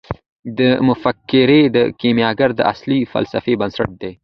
دا مفکوره د کیمیاګر د اصلي فلسفې بنسټ دی.